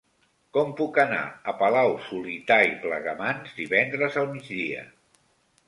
Com puc anar a Palau-solità i Plegamans divendres al migdia?